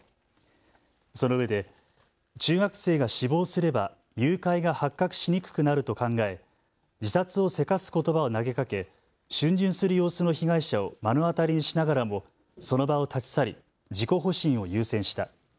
そのうえで、中学生が死亡すれば誘拐が発覚しにくくなると考え自殺をせかすことばを投げかけしゅん巡する様子の被害者を目の当たりしながらもその場を立ち去り、自己保身を優先した。